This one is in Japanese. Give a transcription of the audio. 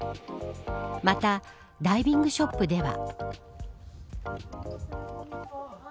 また、ダイビングショップでは。